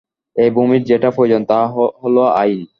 এই ভূমির যেটা প্রয়োজন তা হল আইন।